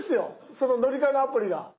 その乗り換えのアプリが。